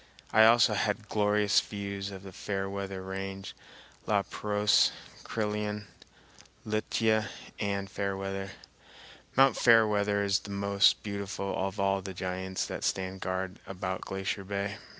I also had glorious views of the Fairweather Range, La Pérouse, Crillon, Lituya, and Fairweather. Mt. Fairweather is the most beautiful of all the giants that stand guard about Glacier Bay.